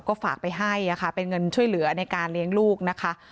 ก็ฝากไปให้ค่ะเป็นเงินช่วยเหลือในการเลี้ยงลูกนะคะ